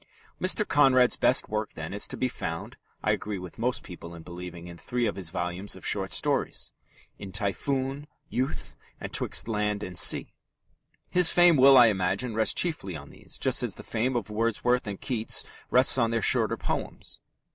Mr. Conrad's best work, then, is to be found, I agree with most people in believing, in three of his volumes of short stories in Typhoon, Youth, and 'Twixt Land and Sea. His fame will, I imagine, rest chiefly on these, just as the fame of Wordsworth and Keats rests on their shorter poems.